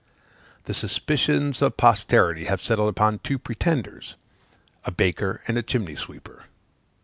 The suspicions of posterity have settled upon two pretenders a baker and a chimney sweeper.